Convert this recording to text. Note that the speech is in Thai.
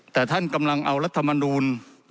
แต่ท่านกำลังเอารัฐมนูล